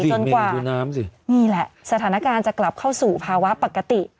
จนกว่านี่แหละสถานการณ์จะกลับเข้าสู่ภาวะปกติ